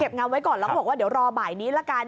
งามไว้ก่อนแล้วก็บอกว่าเดี๋ยวรอบ่ายนี้ละกัน